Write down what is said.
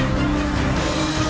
nyai yang lain